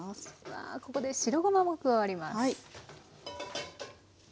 わここで白ごまも加わります。